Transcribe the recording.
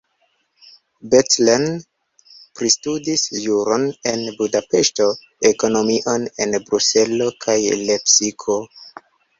Bethlen pristudis juron en Budapeŝto, ekonomion en Bruselo kaj Lepsiko.